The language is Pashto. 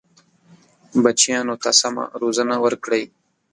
بچیانو ته سمه روزنه ورکړئ.